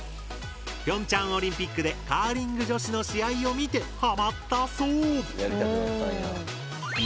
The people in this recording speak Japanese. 平昌オリンピックでカーリング女子の試合を見てハマったそう！